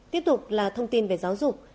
tiếp tục là thông tin về giáo dục